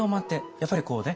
やっぱりこうね